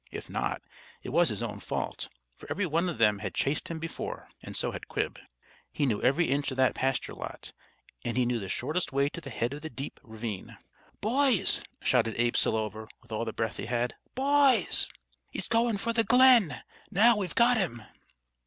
If not, it was his own fault, for every one of them had chased him before, and so had Quib. He knew every inch of that pasture lot, and he knew the shortest way to the head of the deep ravine. "Boys!" shouted Abe Selover, with all the breath he had. "Boys! He's going for the glen! Now we've got him!"